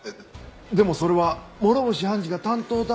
でもそれは諸星判事が担当だったらですよね？